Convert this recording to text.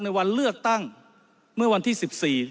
วันเลือกตั้งเมื่อวันที่๑๔